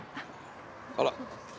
あら！